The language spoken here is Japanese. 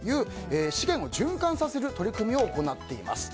資源を循環させる取り組みを行っています。